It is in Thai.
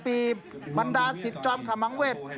ปีบรรดาศิษย์จอมขมังเวศ